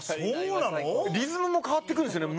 リズムも変わってくるんですよね。